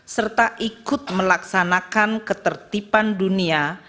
serta ikut melaksanakan ketertiban dunia